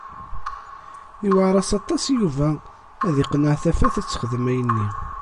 Iwɛeṛ-as aṭas i Yuba ad iqenneɛ Tafat ad texdem ayenni.